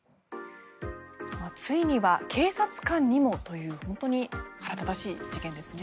ついには警察官にもという本当に腹立たしい事件ですね。